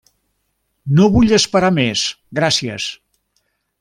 No vull esperar més. Gràcies.